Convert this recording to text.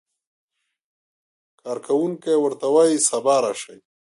کارکوونکی ورته وایي سبا راشئ.